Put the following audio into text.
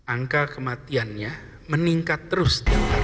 angka kematiannya meningkat terus